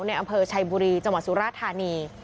ในอำเภอชัยบุรีจังหวัดสุราธานี